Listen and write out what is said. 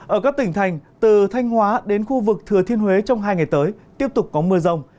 ở các tỉnh thành từ thanh hóa đến khu vực thừa thiên huế trong hai ngày tới tiếp tục có mưa rông